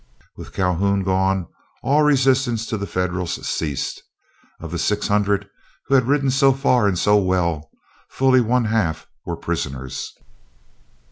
With Calhoun gone, all resistance to the Federals ceased. Of the six hundred, who had ridden so far and so well, fully one half were prisoners.